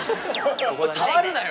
触るなよ。